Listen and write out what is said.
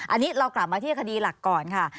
อันนี้เรากลับมาที่คดีหลักก่อนค่ะ